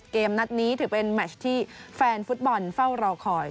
เกมนัดนี้ถือเป็นแมชที่แฟนฟุตบอลเฝ้ารอคอย